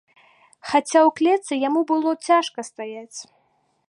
Хаця ў клетцы яму было цяжка стаяць.